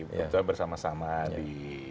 kita bersama sama di